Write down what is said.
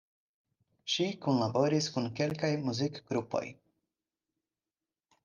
Ŝi kunlaboris kun kelkaj muzikgrupoj.